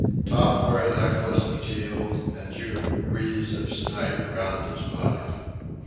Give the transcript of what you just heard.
Top wore a necklace of teal and Jup wreaths of snipe round his body.